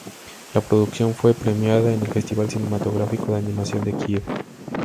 La producción fue premiada en el Festival Cinematográfico de Animación de Kiev.